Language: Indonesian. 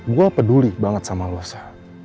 gue peduli banget sama lo sa